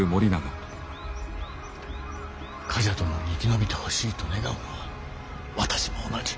冠者殿に生き延びてほしいと願うのは私も同じ。